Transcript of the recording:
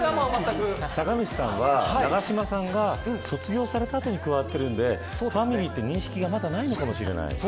酒主さんは永島さんが卒業された後に加わっているのでファミリーという認識がまだないのかもしれない。